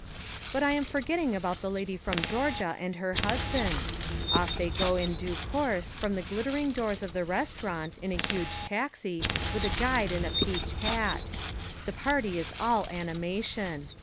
But I am forgetting about the Lady from Georgia and her husband. Off they go in due course from the glittering doors of the restaurant in a huge taxi with a guide in a peaked hat. The party is all animation.